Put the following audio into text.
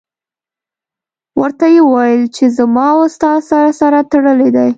ورته یې وویل چې زما او ستا سر سره تړلی دی.